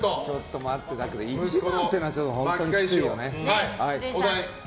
１番というのは本当にきついよね。